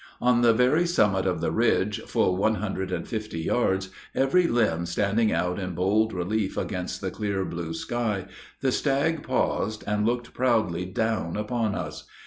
"On the very summit of the ridge, full one hundred and fifty yards, every limb standing out in bold relief against the clear, blue sky, the stag paused, and looked proudly down upon us.